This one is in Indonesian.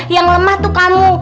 yang lemah tuh kamu